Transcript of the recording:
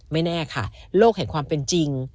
ไม่แน่ค่ะโลกแห่งความเป็นจริง